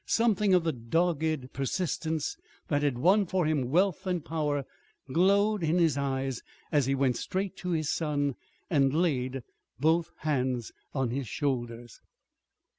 Something of the dogged persistence that had won for him wealth and power glowed in his eyes as he went straight to his son and laid both hands on his shoulders.